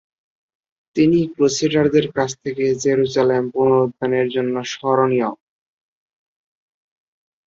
তিনি ক্রুসেডারদের কাছ থেকে জেরুজালেম পুনরুদ্ধারের জন্য স্মরণীয়।